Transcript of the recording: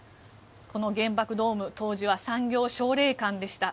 この原爆ドーム当時は産業奨励館でした。